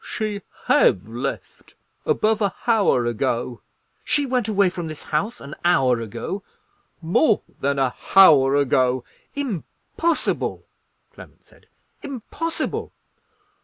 "She have left, above a hour ago." "She went away from this house an hour ago?" "More than a hour ago." "Impossible!" Clement said; "impossible!"